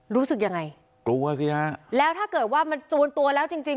รู้สึกยังไงกลัวสิฮะแล้วถ้าเกิดว่ามันจวนตัวแล้วจริงจริง